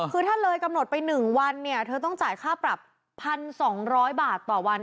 คือถ้าเลยกำหนดไปหนึ่งวันเนี่ยเธอต้องจ่ายค่าปรับพันสองร้อยบาทต่อวัน